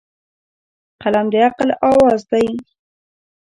قلم د عقل اواز دی